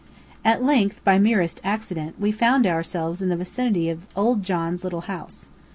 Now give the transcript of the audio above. At length, by merest accident, we found ourselves in the vicinity of old John's little house.